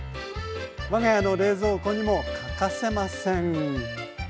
我が家の冷蔵庫にも欠かせません。